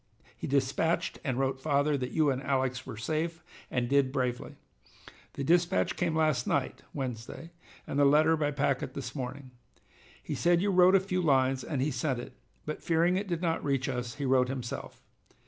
He dispatched and wrote father that you and Alex were safe and did bravely. The dispatch came last night (Wednesday) and the letter by packet this morning. He said you wrote a few lines and he sent it, but fearing it did not reach us, he wrote himself.